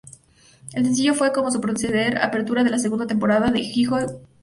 El sencillo fue, como su predecesor, apertura de la segunda temporada de Jigoku Shōjo.